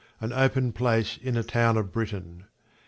An open place in a town of Britain.